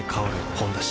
「ほんだし」